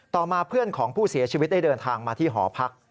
ต่อมาเพื่อนของผู้เสียชีวิตได้เดินทางมาที่หอพัก